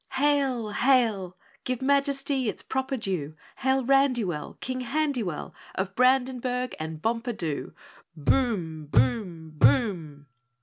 "Hail! Hail! Give Majesty its proper due, Hail Randywell, King Handywell of Brandenburg and Bompadoo! Boom! BOOM! BOOM!"